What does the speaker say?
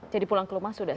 jadi pulang ke rumah sudah